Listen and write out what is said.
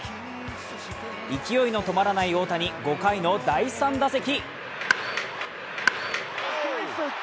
勢いの止まらない大谷５回の第３打席。